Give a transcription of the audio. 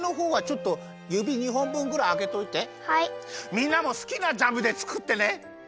みんなもすきなジャムでつくってね！